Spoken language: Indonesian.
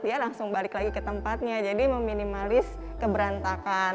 dia langsung balik lagi ke tempatnya jadi meminimalis keberantakan